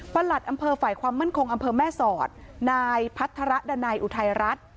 หลัดอำเภอฝ่ายความมั่นคงอำเภอแม่สอดนายพัฒระดันัยอุทัยรัฐ